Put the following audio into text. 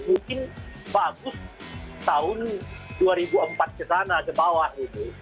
mungkin bagus tahun dua ribu empat ke sana ke bawah